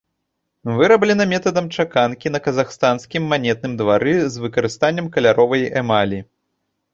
Выраблена метадам чаканкі на казахстанскім манетным двары з выкарыстаннем каляровай эмалі.